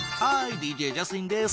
ＤＪジャスティンです。